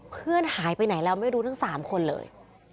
เพื่อนหายไปไหนแล้วไม่รู้ทั้ง๓คนเลย